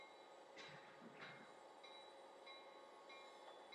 Na území krajinné památkové zóny se nachází řada kulturních a přírodních památek.